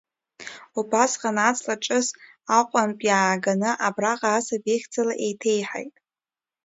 Убасҟан аҵла ҿыс Аҟәантә иааганы, абраҟа асаби ихьӡала еиҭеиҳаит.